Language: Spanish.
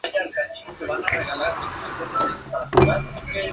En manos civiles, el Webley-Fosbery fue popular con tiradores deportivos.